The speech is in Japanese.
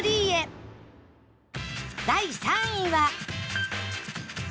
第３位は